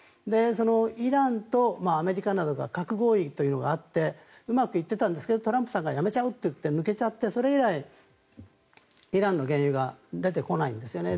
イランとアメリカなどが核合意というのがあってうまくいってたんですけどトランプさんがやめちゃうと言って抜けちゃってそれ以来、イランの原油が出てこないんですよね。